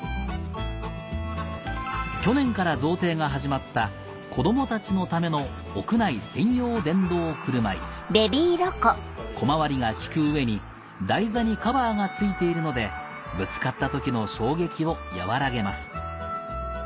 去年から贈呈が始まった子供たちのための小回りが利く上に台座にカバーが付いているのでぶつかった時の衝撃を和らげます